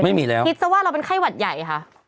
ไม่มีแล้วคิดซะว่าเราเป็นไข้หวัดใหญ่ค่ะ